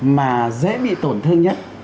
mà dễ bị tổn thương nhất